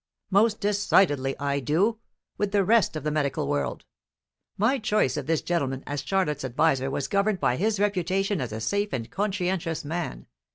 "Most decidedly I do, with the rest of the medical world. My choice of this gentleman as Charlotte's adviser was governed by his reputation as a safe and conscientious man.